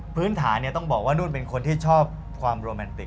พื้นฐานต้องบอกว่านุ่นเป็นคนที่ชอบความโรแมนติก